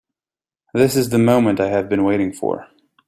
This is the moment I have been waiting for.